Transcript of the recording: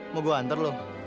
mau gua hantar lu